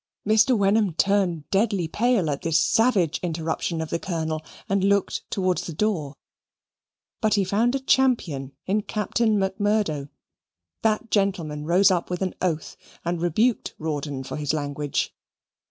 Mr. Wenham turned deadly pale at this savage interruption of the Colonel and looked towards the door. But he found a champion in Captain Macmurdo. That gentleman rose up with an oath and rebuked Rawdon for his language.